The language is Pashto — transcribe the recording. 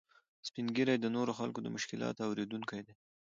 سپین ږیری د نورو خلکو د مشکلاتو اورېدونکي دي